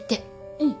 うん。